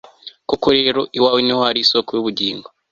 koko rero, iwawe ni ho hari isoko y'ubugingo